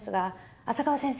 浅川先生。